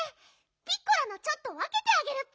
ピッコラのちょっとわけてあげるッピ。